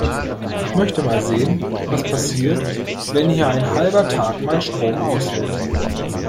Ich möchte mal sehen, was passiert, wenn hier ein halber Tag mal Strom ausfällt.